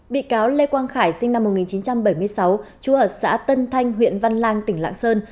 bị cáo lê quang khải sinh năm một nghìn chín trăm bảy mươi sáu chú ở xã tân thanh huyện văn lang tỉnh lạng sơn